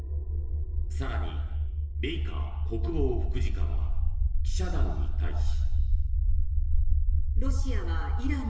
更にベイカー国防副次官は記者団に対し。